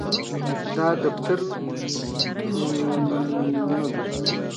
د نیزه وهلو لوبه په سویل کې ده